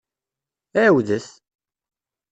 Ɛiwdet!